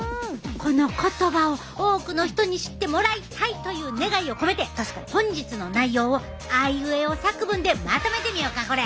この言葉を多くの人に知ってもらいたいという願いを込めて本日の内容をあいうえお作文でまとめてみようかこれ。